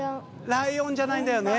ライオンじゃないんだよね。